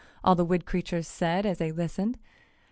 all the wood creatures, said, as they listened.